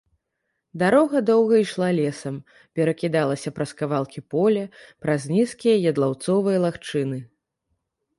Дарога доўга ішла лесам, перакідалася праз кавалкі поля, праз нізкія ядлаўцовыя лагчыны.